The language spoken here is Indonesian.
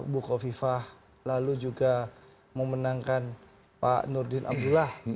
buko viva lalu juga mau menangkan pak nurdin abdullah